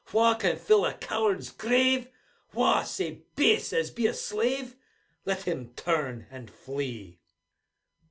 Wha can fill a coward's grave? Wha sae base as be a slave? Let him turn, and flee